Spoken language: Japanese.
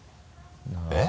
えっ？